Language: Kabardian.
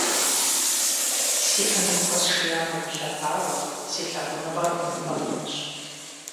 Си ӏэ ныпхуэсшиям уемылъэпауэ, си лъагуныгъэр ӏумпэм умыщӏ.